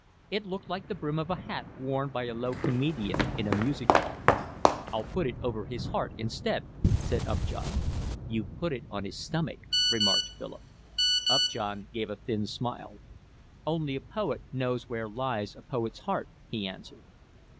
It looked like the brim of a hat worn by a low comedian in a music hall. "I'll put it over his heart instead," said Upjohn. "You've put it on his stomach," remarked Philip. Upjohn gave a thin smile. "Only a poet knows where lies a poet's heart," he answered.